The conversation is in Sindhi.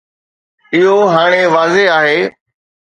اهو هاڻي واضح آهي.